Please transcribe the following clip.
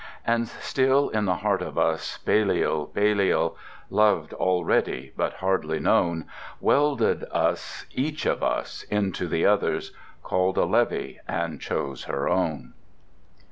And still in the heart of us, Balliol, Balliol, Loved already, but hardly known, Welded us each of us into the others: Called a levy and chose her own.